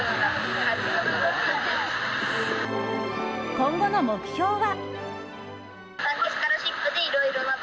今後の目標は。